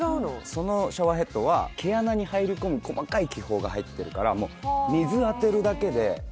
そのシャワーヘッドは毛穴に入り込む細かい気泡が入ってるからもう汚れが？